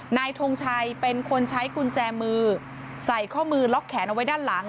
ทงชัยเป็นคนใช้กุญแจมือใส่ข้อมือล็อกแขนเอาไว้ด้านหลัง